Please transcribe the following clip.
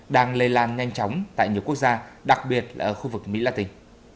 đang lây lan nhanh chóng tại nhiều quốc gia đặc biệt là ở khu vực mỹ latin